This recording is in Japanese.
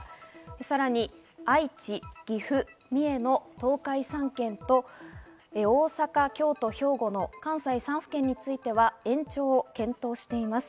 さらに愛知、岐阜、三重の東海３県と大阪、京都、兵庫の関西３府県については延長を検討しています。